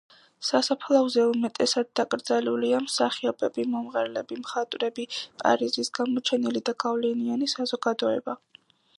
სასაფლაოზე უმეტესად დაკრძალულია მსახიობები, მომღერლები, მხატვრები, პარიზის გამოჩენილი და გავლენიანი საზოგადოება.